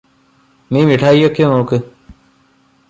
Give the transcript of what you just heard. നീ മിഠായിയൊക്കെ നോക്ക്